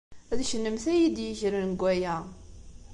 D kennemti ay iyi-d-yegren deg waya!